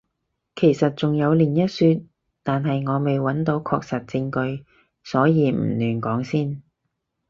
其實仲有另一說，但係我未揾到確實證據，所以唔亂講先